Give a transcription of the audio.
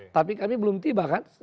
tapi kami belum tiba kan